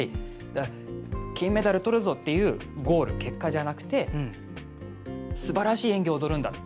金メダルとるぞというゴール、結果じゃなくてすばらしい演技を踊るんだ